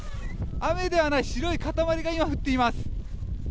雨ではない、白い塊が今、降っています。